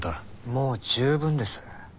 もう十分です。